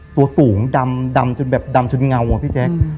ตัวสูงดำจนแบบดำจนเงาอะพี่แจ๊ค